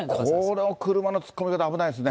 この車の突っ込み方、危ないですね。